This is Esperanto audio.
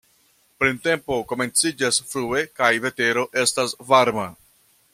Printempo komenciĝas frue kaj vetero estas varma.